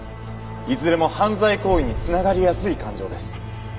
いずれも犯罪行為に繋がりやすい感情です。